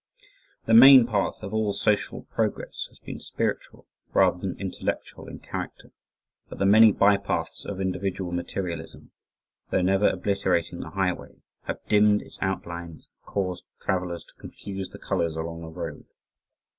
The main path of all social progress has been spiritual rather than intellectual in character, but the many bypaths of individual materialism, though never obliterating the highway, have dimmed its outlines and caused travelers to confuse the colors along the road.